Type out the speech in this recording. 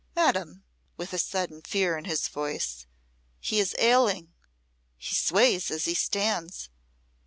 Madam," with a sudden fear in his voice, "he is ailing he sways as he stands.